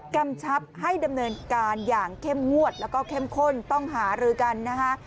กำชับให้ดำเนินการอย่างเข้มงวดแล้วก็เข้มข้นต้องหารือกันนะคะ